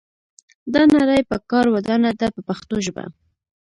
دا نړۍ په کار ودانه ده په پښتو ژبه.